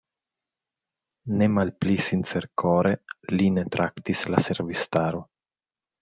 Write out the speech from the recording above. Ne malpli sincerkore lin traktis la servistaro.